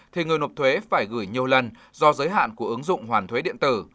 thì người nộp thuế phải gửi nhiều lần do giới hạn của ứng dụng hoàn thuế điện tử